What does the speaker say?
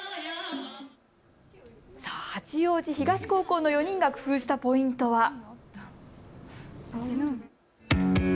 八王子東高校の４人が工夫したポイントは。